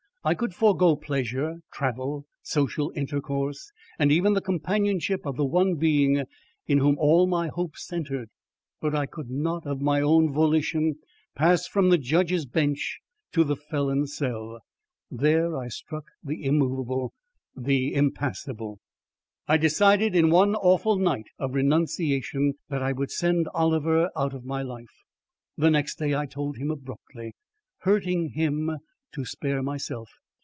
I could forego pleasure, travel, social intercourse, and even the companionship of the one being in whom all my hopes centred, but I could not, of my own volition, pass from the judge's bench to the felon's cell. There I struck the immovable, the impassable. I decided in one awful night of renunciation that I would send Oliver out of my life. The next day I told him abruptly ... hurting him to spare myself